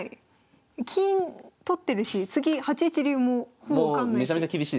金取ってるし次８一竜もほぼ受かんないし。